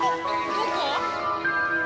どこ？